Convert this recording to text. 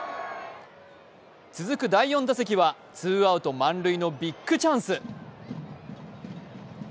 続く第４打席はツーアウト満塁のビッグチャンス。